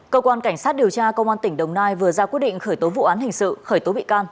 cơ quan cảnh sát điều tra công an tỉnh đồng nai vừa ra quyết định khởi tố vụ án hình sự khởi tố bị can